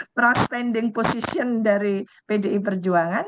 pra standing position dari pdi berjuangan